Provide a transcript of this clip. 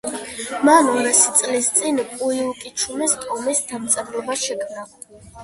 მან ორასი წლის წინ პუიუკიჩუმის ტომის დამწერლობა შექმნა.